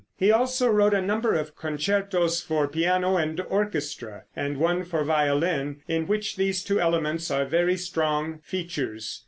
He also wrote a number of concertos for piano and orchestra, and one for violin, in which these two elements are very strong features.